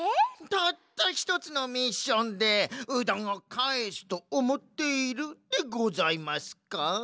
たったひとつのミッションでうどんをかえすとおもっているでございますか？